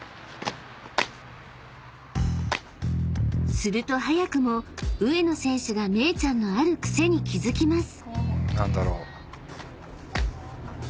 ［すると早くも上野選手がめいちゃんのある癖に気付きます］